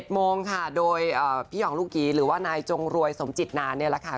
โมงค่ะโดยพี่หองลูกกีหรือว่านายจงรวยสมจิตนานเนี่ยแหละค่ะ